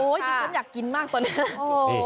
ดิฉันอยากกินมากตอนนี้